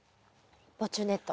防虫ネット。